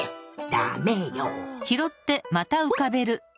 ダメよ。